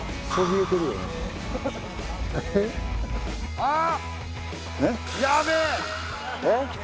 えっ？